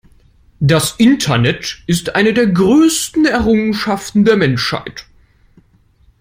Das Internet ist eine der größten Errungenschaften der Menschheit.